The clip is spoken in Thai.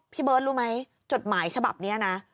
พี่เบิ้ลรู้มั้ยจดหมายฉบับเนี้ยนะ